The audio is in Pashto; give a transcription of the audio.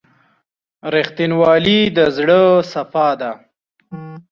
• رښتینولي د زړه صفا ده.